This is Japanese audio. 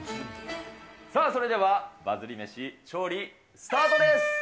さあ、それではバズり飯調理スタートです。